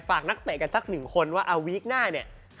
ฝากนักเตะกันสัก๑คนว่าอาวิกหน้าเนี่ย